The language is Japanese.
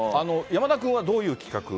山田君はどういう企画？